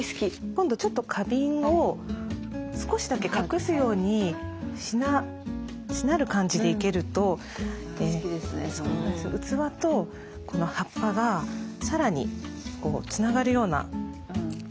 今度ちょっと花瓶を少しだけ隠すようにしなる感じで生けると器とこの葉っぱがさらにつながるような一体感が出てきます。